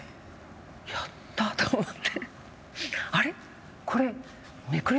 やった！と思って。